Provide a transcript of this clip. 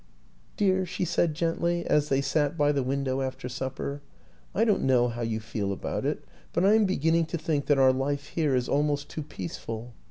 " Dear," she said gently, as they sat by the window after supper, " I don't know how you feel about it, but I am beginning to think that our life here is almost too peaceful.